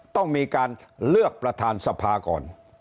ต้องมีการเลือกประธานสภาก่อน